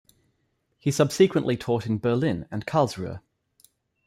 He subsequently taught in Berlin and Karlsruhe.